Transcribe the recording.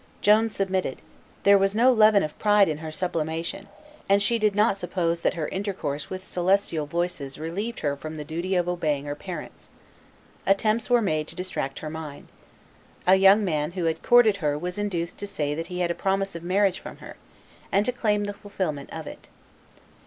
Joan submitted: there was no leaven of pride in her sublimation, and she did not suppose that her intercourse with celestial voices relieved her from the duty of obeying her parents. Attempts were made to distract her mind. A young man who had courted her was induced to say that he had a promise of marriage from her, and to claim the fulfilment of it.